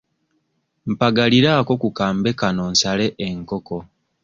Mpagaliraako ku kambe kano nsale enkoko.